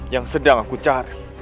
yang sedang aku cari